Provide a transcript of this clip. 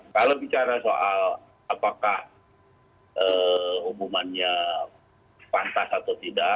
kalau bicara soal apakah umumannya pantas atau tidak